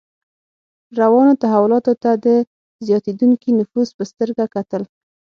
روانو تحولاتو ته د زیاتېدونکي نفوذ په سترګه کتل.